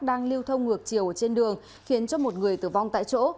đang lưu thông ngược chiều trên đường khiến cho một người tử vong tại chỗ